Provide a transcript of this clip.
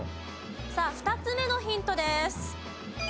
さあ２つ目のヒントです。